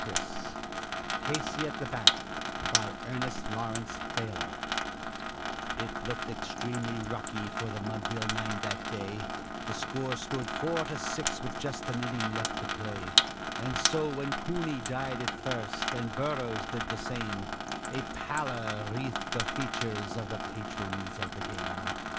CASEY AT THE BAT BY ERNEST LAWRENCE THAYER It looked extremely rocky for the Mudville nine that day: The score stood four to six with just an inning left to play; And so, when Cooney died at first, and Burrows did the same, A pallor wreathed the features of the patrons of the game.